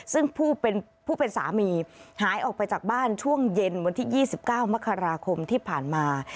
ซึ่งผู้เป็นสามีหายออกไปจากบ้านช่วงเย็นวันที่๒๙มกราคมที่ผ่านมา